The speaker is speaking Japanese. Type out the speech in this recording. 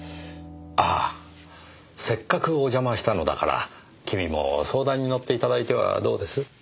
ああせっかくお邪魔したのだから君も相談に乗って頂いてはどうです？